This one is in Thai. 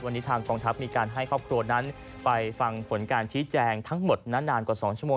วันนี้ทางกองทัพมีการให้ครอบครัวนั้นไปฟังผลการชี้แจงทั้งหมดนานกว่า๒ชั่วโมง